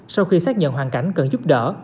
sau khi xác nhận hoàn cảnh cần giúp đỡ